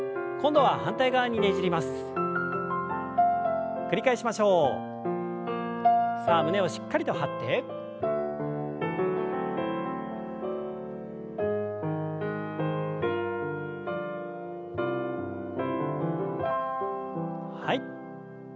はい。